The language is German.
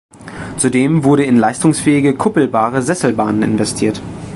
Zudem wurde in leistungsfähige kuppelbare Sesselbahnen investiert.